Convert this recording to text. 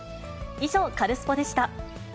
以上、カルスポっ！でした。